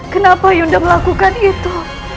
kenapa yunda melakukan itu